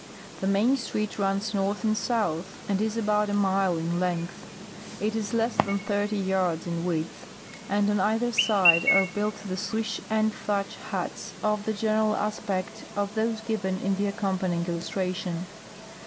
The main street runs north and south and is al)()ut a mile in length. It is less than thirty yards in width, and on either side are built the swish and thatch huts of the general aspect of those givdn in the accompa nying illustration.